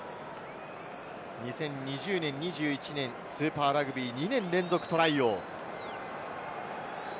２０２０年、２１年、スーパーラグビー２年連続トライ王。